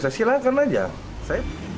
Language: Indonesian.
membolehkan saya silahkan saja